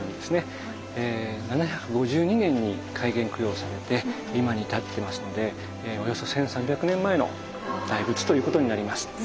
７５２年に開眼供養されて今に至ってますのでおよそ１，３００年前の大仏ということになります。